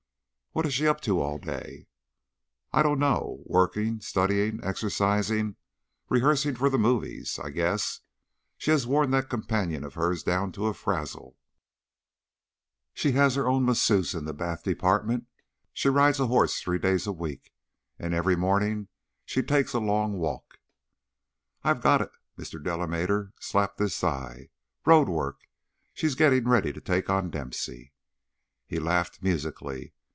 "What is she up to all day?" "I don't know. Working, studying, exercising. Rehearsing for the movies, I guess. She has worn that companion of hers down to a frazzle. She has her own masseuse in the bath department, she rides a horse three days a week, and every morning she takes a long walk " "I've got it!" Mr. Delamater slapped his thigh. "Road work! She's getting ready to take on Dempsey." He laughed musically.